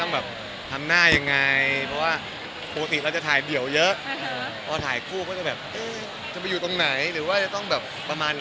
อะไรดีสื่อประโยชน์